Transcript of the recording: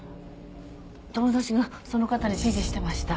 友達がその方に師事してました。